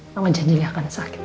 mama janji gak akan sakit